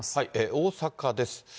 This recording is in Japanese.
大阪です。